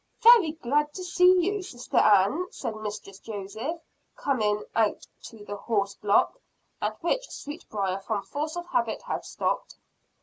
"Very glad to see you, Sister Ann," said Mistress Joseph, coming out to the horse block, at which Sweetbriar, from force of habit, had stopped.